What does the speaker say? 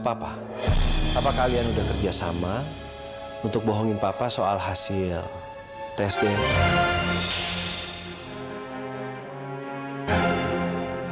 apa apa kalian udah kerjasama untuk bohongin papa soal hasil tes dna